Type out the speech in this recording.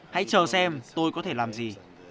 hãy chờ xem tôi có thể làm gì